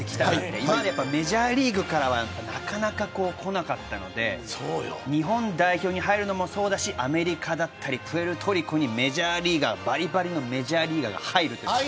今まではメジャーリーグからはなかなか来なかったので日本代表に入るのもそうだしアメリカだったりプエルトリコにばりばりのメジャーリーガーが入るということが。